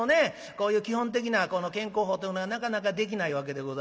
こういう基本的なこの健康法というのがなかなかできないわけでございますが。